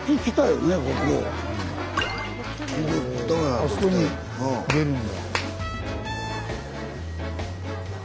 あそこに出るんだ。